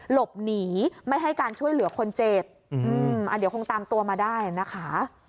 หลบหนีไม่ให้การช่วยเหลือคนเจ็บเดี๋ยวคงตามตัวมาได้นะคะ